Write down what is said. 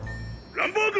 「ランボーグ！